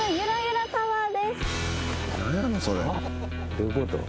どういうこと？